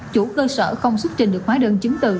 chủ cơ sở không xuất trình được hóa đơn chứng từ